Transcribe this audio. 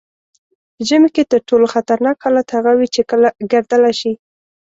ژمي کې تر ټولو خطرناک حالت هغه وي چې کله ګردله شي.